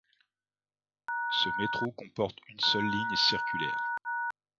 Ce métro comporte une seule ligne circulaire.